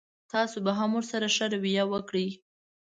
تاسو هم ورسره ښه رويه وکړئ.